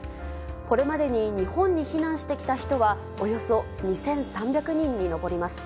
これまでに日本に避難してきた人は、およそ２３００人に上ります。